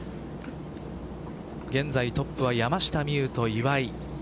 現在トップは山下美夢有と岩井。